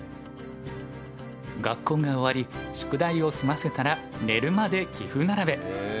学校が終わり宿題を済ませたら寝るまで棋譜並べ。